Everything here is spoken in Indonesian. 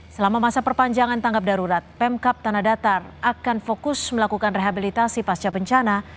selama masa perpanjangan tanggap darurat pemkap tanah datar akan fokus melakukan rehabilitasi pasca bencana